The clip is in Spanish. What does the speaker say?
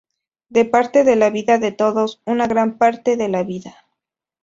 De parte de la vida de todos, una gran parte de la vida".